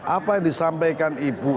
apa yang disampaikan ibu